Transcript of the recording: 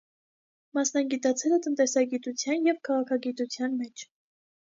Մասնագիտացել է տնտեսագիտության և քաղաքագիտության մեջ։